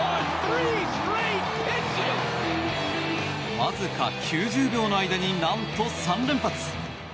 わずか９０秒の間になんと３連発。